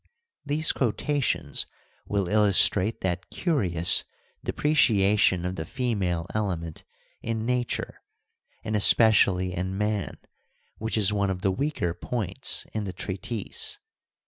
These quotations will illustrate that curious depreciation of the female element in nature and especially in man which is one of the weaker points in the treatise.